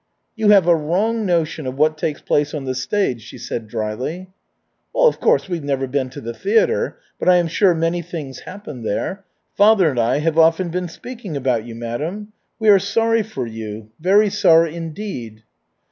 "You have a wrong notion of what takes place on the stage," she said drily. "Of course, we've never been to the theatre, but I am sure many things happen there. Father and I have often been speaking about you, madam. We are sorry for you, very sorry, indeed."